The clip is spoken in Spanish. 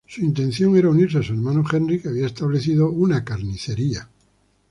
Su intención era unirse a su hermano Henry, que había establecido un carnicero.